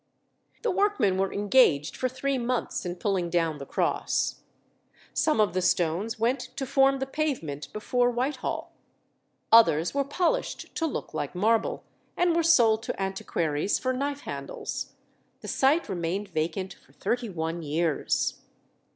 The workmen were engaged for three months in pulling down the Cross. Some of the stones went to form the pavement before Whitehall; others were polished to look like marble, and were sold to antiquaries for knife handles. The site remained vacant for thirty one years.